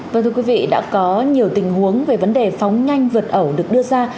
vâng thưa quý vị đã có nhiều tình huống về vấn đề phóng nhanh vượt ẩu được đưa ra